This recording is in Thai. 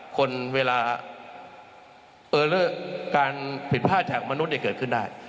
คนเวลาเออเลอร์การผิดพลาดจากมนุษย์เกิดขึ้นได้